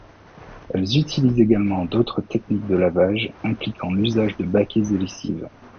Elles utilisent également d'autres techniques de lavage, impliquant l'usage de baquets et lessive.